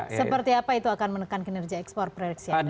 seperti apa itu akan menekan kinerja ekspor